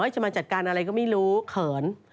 จะมาจัดการอะไรก็ไม่รู้เขิน